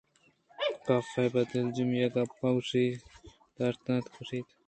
کاف ءَ پہ دلجمی گپ گوش داشت اَنت ءُگوٛشت